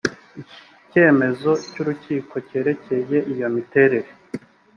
icyemezo cy’urukiko cyerekeye iyo miterere